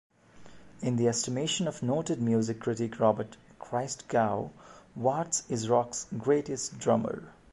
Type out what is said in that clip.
In the estimation of noted music critic Robert Christgau, Watts is rock's greatest drummer.